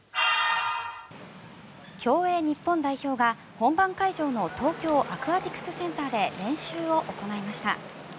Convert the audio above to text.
競泳日本代表が本番会場の東京アクアティクスセンターで練習を行いました。